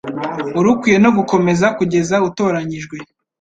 Warukwiye no gukomeza kugeza utoranyijwe